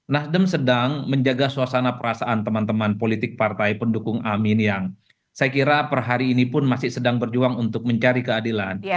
nasdem sedang menjaga suasana perasaan teman teman politik partai pendukung amin yang saya kira per hari ini pun masih sedang berjuang untuk mencari keadilan